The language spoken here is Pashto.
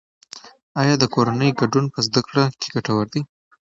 آیا د کورنۍ ګډون په زده کړه کې ګټور دی؟